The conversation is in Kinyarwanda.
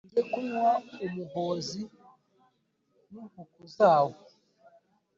nge kunywa umuhozi n’inkuku zawo!